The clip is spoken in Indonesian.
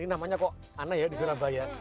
ini namanya kok aneh ya di surabaya